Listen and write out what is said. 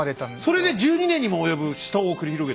それで１２年にも及ぶ死闘を繰り広げた？